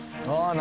何？